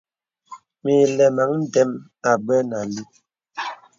Mə ilɛmaŋ ndə̀m àbə̀ nə alúú.